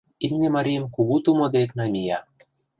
Имне марийым кугу тумо дек намия.